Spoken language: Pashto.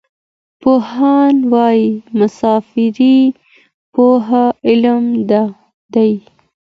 پوهان وايي مسافري پوره علم دی.